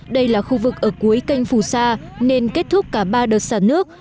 đây là khu vực ở cuối canh phù sa nên kết thúc cả ba đợt xả nước